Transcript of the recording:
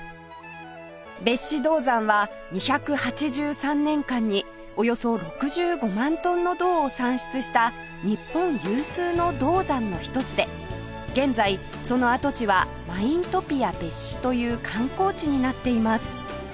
別子銅山は２８３年間におよそ６５万トンの銅を産出した日本有数の銅山の一つで現在その跡地はマイントピア別子という観光地になっています